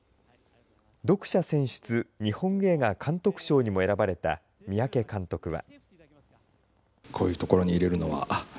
読者選出日本映画監督賞にも選ばれた三宅監督は。